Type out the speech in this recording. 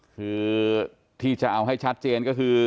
คือที่จะเอาให้ชัดเจนก็คือ